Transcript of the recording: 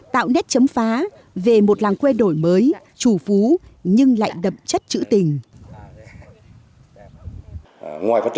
tạo nét chấm phá về một làng quê đổi mới chủ phú nhưng lại đậm chất chữ tình